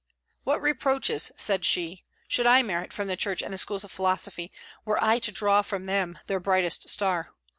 "What reproaches," said she, "should I merit from the Church and the schools of philosophy, were I to draw from them their brightest star!